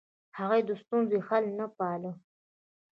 هغوی د ستونزې حل نه پاله.